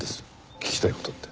聞きたい事って。